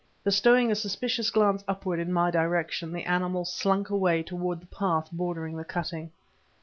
Bestowing a suspicious glance upward in my direction, the animal slunk away toward the path bordering the cutting.